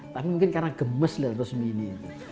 tapi mungkin karena gemes lihat resmi ini